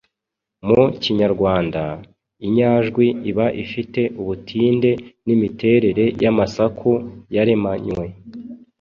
Mu kinyarwanda, inyajwi iba ifite ubutinde n’imiterere y’amasaku yaremanywe.